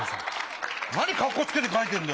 何かっこつけてかいてんだよ。